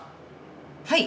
はい。